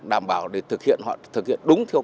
đảm bảo để thực hiện họ thực hiện đúng theo